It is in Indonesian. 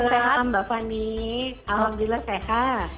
selamat malam mbak fani alhamdulillah sehat